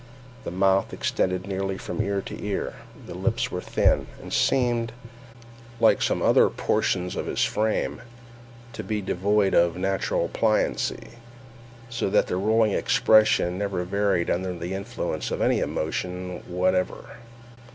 The mouth extended nearly from ear to ear, the lips were thin, and seemed, like some other portions of his frame, to be devoid of natural pliancy, so that the ruling expression never varied under the influence of any emotion whatever.